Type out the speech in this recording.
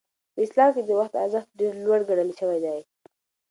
په اسلام کې د وخت ارزښت ډېر لوړ ګڼل شوی دی.